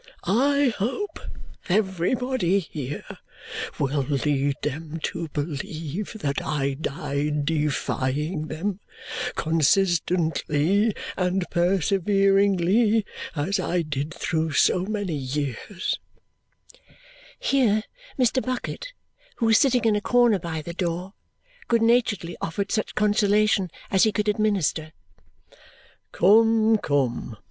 I hope everybody here will lead them to believe that I died defying them, consistently and perseveringly, as I did through so many years." Here Mr. Bucket, who was sitting in a corner by the door, good naturedly offered such consolation as he could administer. "Come, come!"